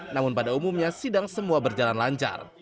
namun pada umumnya sidang semua berjalan lancar